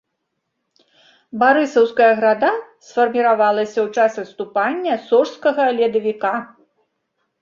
Барысаўская града сфарміравалася ў час адступання сожскага ледавіка.